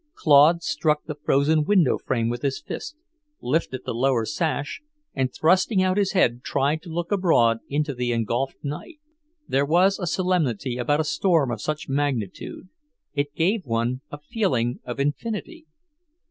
Claude struck the frozen window frame with his fist, lifted the lower sash, and thrusting out his head tried to look abroad into the engulfed night. There was a solemnity about a storm of such magnitude; it gave one a feeling of infinity.